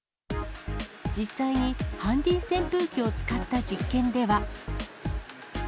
実際にハンディ扇風機を使った実験では。